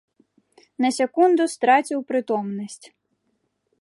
На секунду страціў прытомнасць.